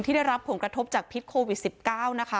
ได้รับผลกระทบจากพิษโควิด๑๙นะคะ